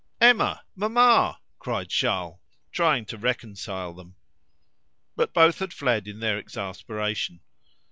"Emma! Mamma!" cried Charles, trying to reconcile them. But both had fled in their exasperation.